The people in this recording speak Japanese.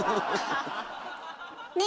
ねえ